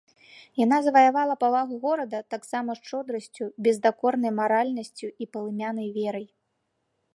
Яна заваявала павагу горада таксама шчодрасцю, бездакорнай маральнасцю і палымянай верай.